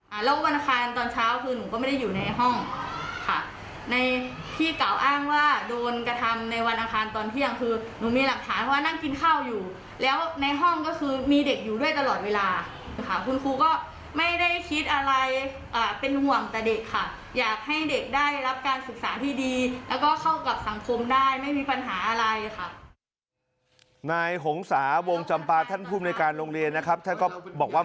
อ่าแล้ววันอาคารตอนเช้าคือหนูก็ไม่ได้อยู่ในห้องค่ะในที่เก่าอ้างว่าโดนกระทำในวันอาคารตอนเที่ยงคือหนูมีหลักฐานว่านั่งกินข้าวอยู่แล้วในห้องก็คือมีเด็กอยู่ด้วยตลอดเวลาค่ะคุณครูก็ไม่ได้คิดอะไรอ่าเป็นห่วงแต่เด็กค่ะอยากให้เด็กได้รับการศึกษาที่ดีแล้วก็เข้ากับสังคมได้ไม่มีปั